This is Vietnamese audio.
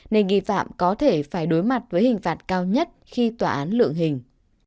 nên nghi phạm có thể phải đối mặt với hình phạt cao nhất khi tòa án lượng hình